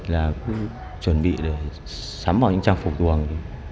là cũng chuẩn bị để sắm vào những trang phục tuồng